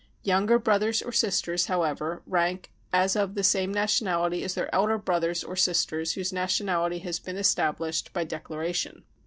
Younger brothers or sisters, however, rank as of the same nation ality as their elder brothers or sisters whose nationality has been established by declaration."